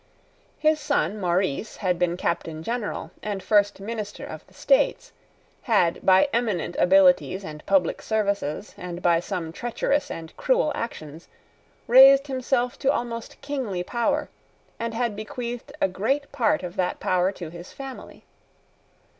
His son Maurice had been Captain General and first minister of the States, had, by eminent abilities and public services, and by some treacherous and cruel actions, raised himself to almost kingly power, and had bequeathed a great part of that power to his family.